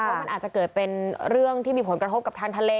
เพราะมันอาจจะเกิดเป็นเรื่องที่มีผลกระทบกับทางทะเล